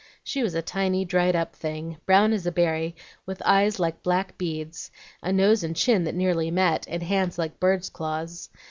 She was a tiny, dried up thing, brown as a berry, with eyes like black beads, a nose and chin that nearly met, and hands like birds' claws.